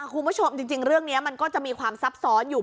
คุณผู้ชมจริงเรื่องนี้มันก็จะมีความซับซ้อนอยู่